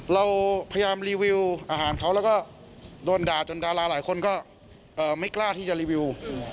เราพยายามรีวิวอาหารเขาแล้วก็โดนด่าจนดาราหลายคนก็ไม่กล้าที่จะรีวิว